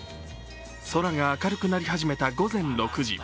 空が明るくなり始めた午前６時。